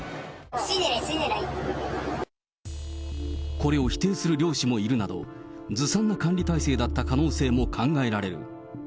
これを否定する漁師もいるなど、ずさんな管理体制だった可能性も考えられる。